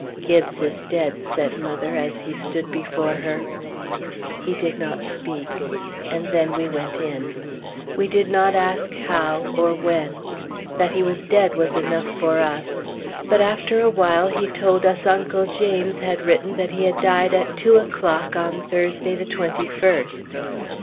"Gibbes is dead," said mother as he stood before her. He did not speak; and then we went in. We did not ask how, or when. That he was dead was enough for us. But after a while he told us Uncle James had written that he had died at two o'clock on Thursday the 21st.